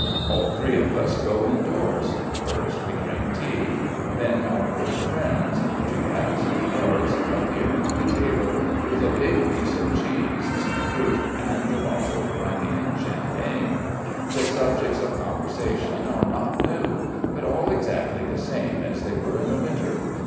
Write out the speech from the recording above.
All three of us go indoors. First we drink tea, then our old friends, the two packs of cards, appear on the table, with a big piece of cheese, some fruit, and a bottle of Crimean champagne. The subjects of conversation are not new, but all exactly the same as they were in the winter.